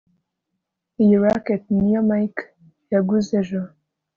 iyi racket niyo mike yaguze ejo